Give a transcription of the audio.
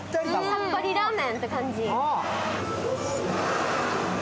さっぱりラーメンって感じ。